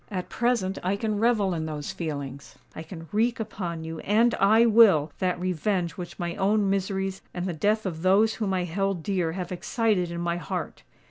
At present I can revel in those feelings:—I can wreak upon you—and I will—that revenge which my own miseries and the death of those whom I held dear have excited in my heart!